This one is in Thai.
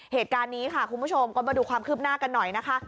เหตุการณ์นี้ค่ะคุณผู้ชมก็มาดูความคืบหน้ากันหน่อยนะคะ